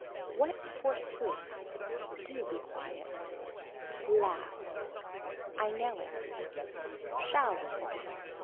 What forsooth. Do be quiet. Laugh. I know it. Shall we.